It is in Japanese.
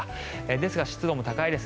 ですが、湿度も高いです。